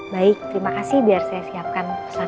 baik terima kasih biar saya siapkan pesannya